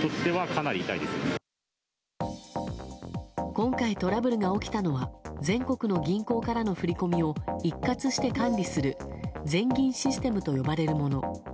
今回、トラブルが起きたのは全国の銀行からの振り込みを一括して管理する全銀システムと呼ばれるもの。